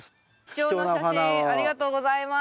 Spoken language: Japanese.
貴重な写真ありがとうございます。